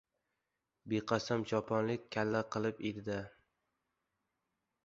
Beqasam choponlik kalla qilib edi-da.